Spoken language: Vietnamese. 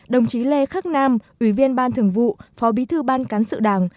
đồng chí lê khắc nam ủy viên ban thường vụ phó bí thư ban cán sự đảng